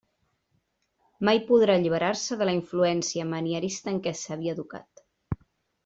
Mai podrà alliberar-se de la influència manierista en què s'havia educat.